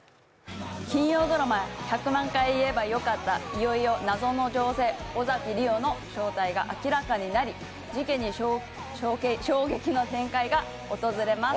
金曜ドラマ「１００万回言えばよかった」、いよいよ、謎の女性尾崎莉桜の正体が明らかになり事件に衝撃の展開が訪れます。